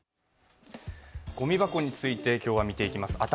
ごみ箱について、今日は見ていきます。